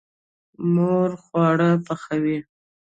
مور خواړه پخوي.